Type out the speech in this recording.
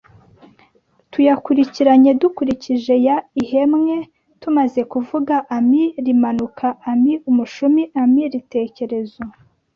tuyakurikiranye dukurikije ya ihemwe tumaze kuvuga: Ami ’Iimanuka Ami ’Umushumi Ami ’Iitekerezo